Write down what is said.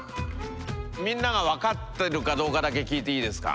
みんながわかってるかどうかだけ聞いていいですか？